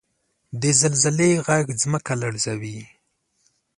• د زلزلې ږغ ځمکه لړزوي.